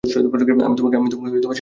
আমি তোমাকে সেটা বলতে পারব না।